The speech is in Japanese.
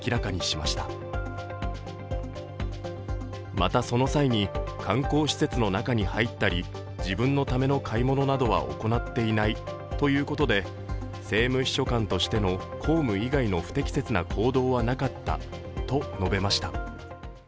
またその際に観光施設の中に入ったり自分のための買い物などは行っていないということで政務秘書官としての公務以外の不適切な行動はなかったと述べました。